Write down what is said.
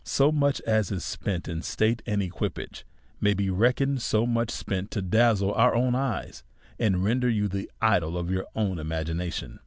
So much as is spent in state or equi pagCj may be reckoned so much spent to dazzle your own eyes^ and render you the idol of your own imagi nation.